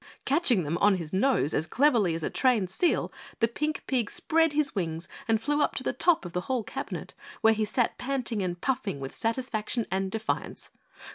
Catching them on his nose as cleverly as a trained seal, the pink pig spread his wings and flew up to the top of a tall cabinet, where he sat panting and puffing with satisfaction and defiance.